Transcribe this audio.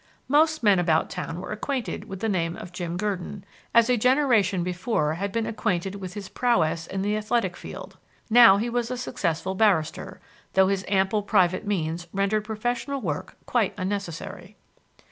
Most men about town were acquainted with the name of Jim Gurdon, as a generation before had been acquainted with his prowess in the athletic field. Now he was a successful barrister, though his ample private means rendered professional work quite unnecessary.